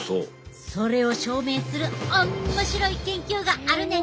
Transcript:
それを証明するおっもしろい研究があるねん。